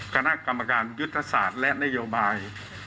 คณะกรรมการยุทธศาสตร์และนโยบาย